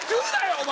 お前。